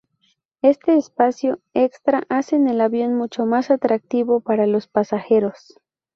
Este espacio extra hace el avión mucho más atractivo para los pasajeros.